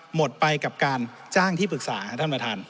หมดไปกับการจ้างที่ปรึกษาท่านประธาน